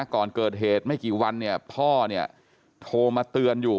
ก่อนเกิดเหตุไม่กี่วันพ่อโทรมาเตือนอยู่